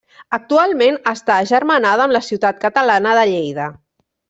Actualment està agermanada amb la ciutat catalana de Lleida.